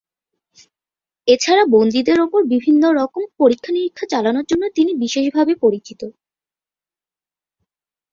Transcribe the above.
এছাড়া বন্দীদের ওপর বিভিন্ন রকম পরীক্ষানিরীক্ষা চালানোর জন্য তিনি বিশেষভাবে পরিচিত।